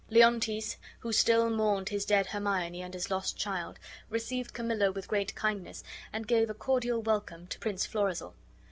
Leontes, who still mourned his dead Hermione and his lost child, received Camillo with great kindness and gave a cordial welcome to Prince Florizel.